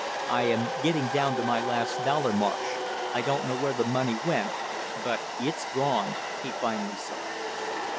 "I am getting down to my last dollar, Marsh. I don't know where the money went, but it's gone," he finally said.